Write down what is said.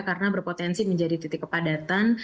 karena berpotensi menjadi titik kepadatan